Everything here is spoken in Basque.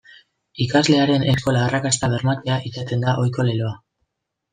Ikaslearen eskola-arrakasta bermatzea izaten da ohiko leloa.